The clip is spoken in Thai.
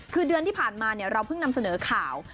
คือเดือนที่ผ่านมาเราเพิ่งนำเสนอข่าว